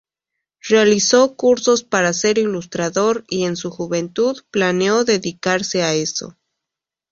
Realizó cursos para ser ilustrador y en su juventud planeó dedicarse a eso.